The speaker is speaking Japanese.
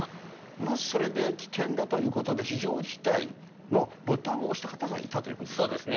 まずそれで危険だということで、非常事態のボタンを押した方がいたということですね。